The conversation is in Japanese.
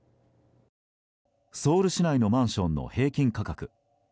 ソウル市内のマンションの平均価格。